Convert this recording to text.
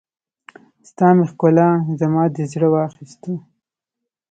ستا مې ښکلا، زما دې زړه واخيستو